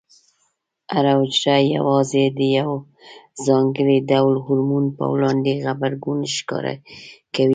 هره حجره یوازې د یو ځانګړي ډول هورمون په وړاندې غبرګون ښکاره کوي.